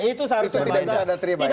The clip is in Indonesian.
itu tidak bisa anda terima ya